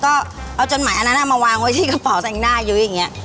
ก็เอาจดหมายอันนั้นมาวางไว้ที่กระเป๋าแต่งหน้ายุ้ยอย่างนี้